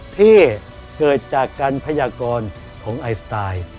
ที่เกิดจากการพยากรของไอสไตล์